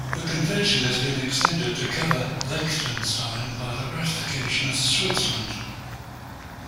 The convention has been extended to cover Liechtenstein by the ratification of Switzerland.